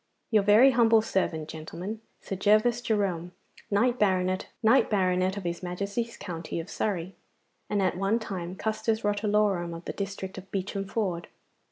'Your very humble servant, gentlemen, Sir Gervas Jerome, knight banneret of his Majesty's county of Surrey, and at one time custos rotulorum of the district of Beacham Ford.